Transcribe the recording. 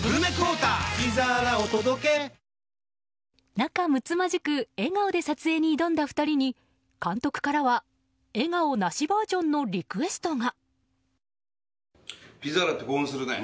仲むつまじく笑顔で撮影に挑んだ２人に監督からは笑顔なしバージョンのリクエストが。